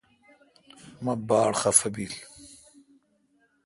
مہ باڑ خفہ بیل۔